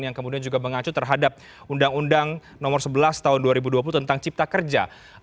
yang kemudian juga mengacu terhadap undang undang nomor sebelas tahun dua ribu dua puluh tentang cipta kerja